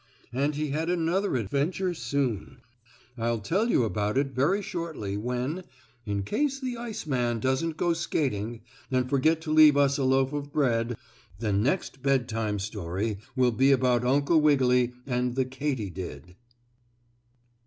And he had another advantage soon. I'll tell you about it very shortly, when, in case the ice man doesn't go skating and forget to leave us a loaf of bread, the next Bedtime story will be about Uncle Wiggily and the Katy Did.